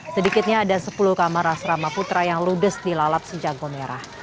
sedikitnya ada sepuluh kamar asrama putra yang ludes dilalap sejago merah